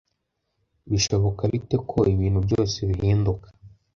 Bishoboka bite ko ibintu byose bihinduka